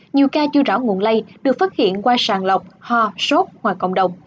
nhiều ca chưa rõ nguồn lây được phát hiện qua sàng lọc ho sốt ngoài cộng đồng